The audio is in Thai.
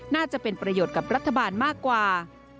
น่าจะเป็นประโยชน์กับรัฐบาลมากกว่า